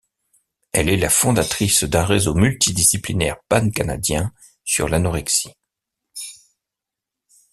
Elle est la fondatrice d’un réseau multidisciplinaire pancanadien sur l’anorexie.